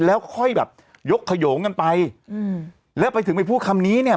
แล้วค่อยแบบยกขยงกันไปอืมแล้วไปถึงไปพูดคำนี้เนี่ย